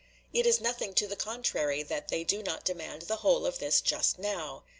It is nothing to the contrary that they do not demand the whole of this just now.